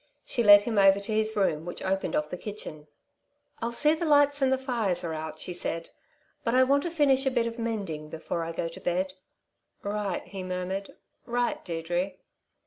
She led him over to his room, which opened off the kitchen. "I'll see the lights and the fires are out," she said, "but I want to finish a bit of mending before I go to bed." "Right," he murmured. "Right, Deirdre!"